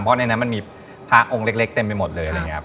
เพราะในนั้นมันมีพระองค์เล็กเต็มไปหมดเลย